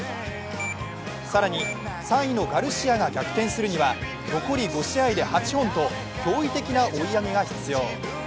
更に、３位のガルシアが逆転するには残り５試合で８本と驚異的な追い上げが必要。